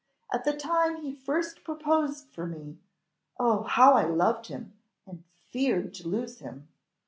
At the time he first proposed for me oh! how I loved him, and feared to lose him.